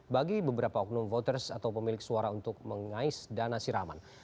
bagi beberapa oknum voters atau pemilik suara untuk mengais dana siraman